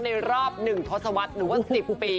ในรอบ๑ทศวรรษหรือว่า๑๐ปี